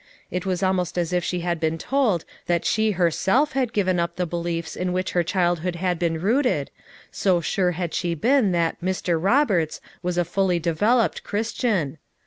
It was almost as if she had been told that she herself had given up the beliefs in which her childhood had heen rooted, so sure had she been that "Mr. Roberts" was a fully developed Christian.